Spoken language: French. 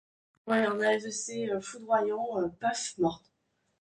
foudroyant ....